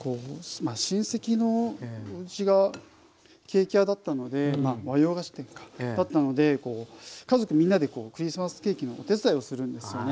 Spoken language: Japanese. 親戚のうちがケーキ屋だったので和洋菓子店かだったので家族みんなでクリスマスケーキのお手伝いをするんですよね。